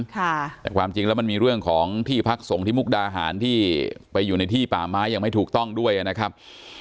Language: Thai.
แต่ความจริงแล้วมันมีเรื่องของที่พักส่งที่มุกดาหารที่ไปอยู่ในที่ป่าไม้ยังไม่ถูกต้องด้วยนะครับ